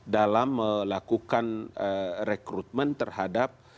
dalam melakukan rekrutmen terhadap